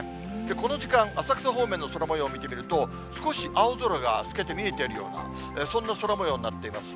この時間、浅草方面の空もようを見てみると、少し青空が透けて見えているような、そんな空もようになっています。